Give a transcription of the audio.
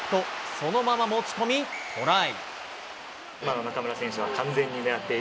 そのまま持ち込みトライ！